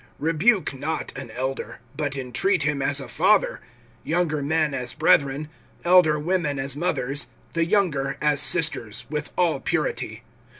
REBUKE not an elder, but entreat him as a father; younger men as brethren; (2)elder women as mothers, the younger as sisters, with all purity.